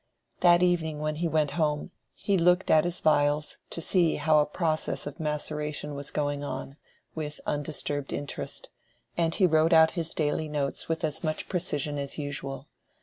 That evening when he went home, he looked at his phials to see how a process of maceration was going on, with undisturbed interest; and he wrote out his daily notes with as much precision as usual.